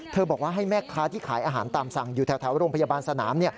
บอกว่าให้แม่ค้าที่ขายอาหารตามสั่งอยู่แถวโรงพยาบาลสนาม